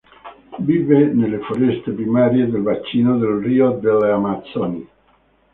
Vive nelle foreste primarie del bacino del Rio delle Amazzoni.